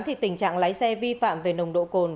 thì tình trạng lái xe vi phạm về nồng độ cồn